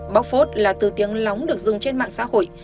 bóc phốt là từ tiếng lóng được dùng trên mạng xã hội